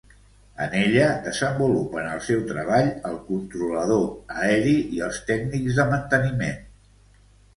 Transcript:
En ella desenvolupen el seu treball el controlador aeri i els tècnics de manteniment.